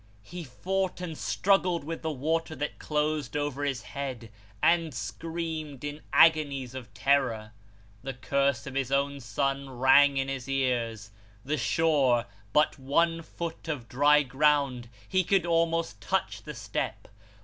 He fought and struggled with the water that closed over his head, and screamed in agonies of terror. The curse of his own son rang in his ears. The shore but one foot of dry ground he could almost touch the step.